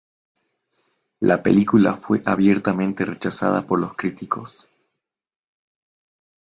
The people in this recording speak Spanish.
La película fue abiertamente rechazada por los críticos.